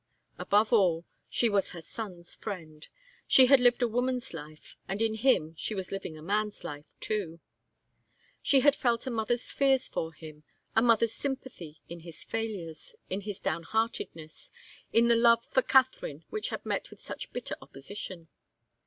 Above all, she was her son's friend. She had lived a woman's life, and in him she was living a man's life, too. She had felt a mother's fears for him, a mother's sympathy in his failures, in his downheartedness, in the love for Katharine which had met with such bitter opposition.